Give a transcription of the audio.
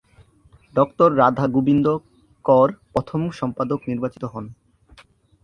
ডঃ রাধাগোবিন্দ কর প্রথম সম্পাদক নির্বাচিত হন।